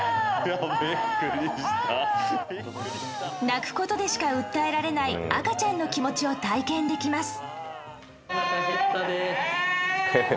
泣くことでしか訴えられない赤ちゃんの気持ちを体験できます。